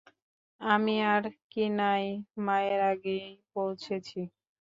আমি আর কিনাই মায়ের আগেই পোঁছেছি।